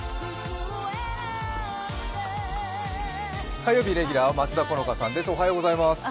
火曜日レギュラーは松田好花さんです。